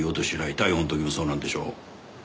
逮捕の時もそうなんでしょ？